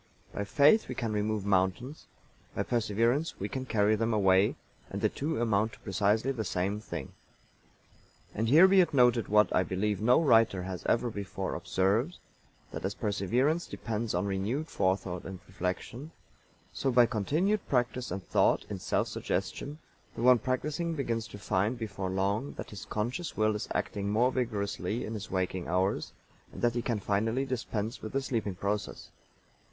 By faith we can remove mountains, by perseverance we can carry them away, and the two amount to precisely the same thing. And here be it noted what, I believe, no writer has ever before observed, that as perseverance depends on renewed forethought and reflection, so by continued practice and thought, in self suggestion, the one practicing begins to find before long that his conscious will is acting more vigorously in his waking hours, and that he can finally dispense with the sleeping process.